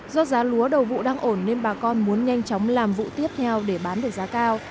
do giá lúa đầu vụ đang ổn nên bà con muốn nhanh chóng làm vụ tiếp theo để bán được giá cao